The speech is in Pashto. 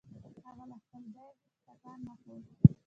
هغې له خپل ځايه هېڅ ټکان نه خوړ.